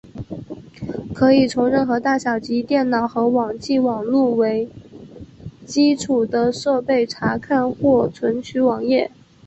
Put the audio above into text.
可以从任何大小以电脑和网际网路为基础的设备查看或存取网页。